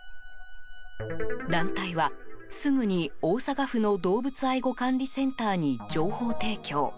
団体は、すぐに大阪府の動物愛護管理センターに情報提供。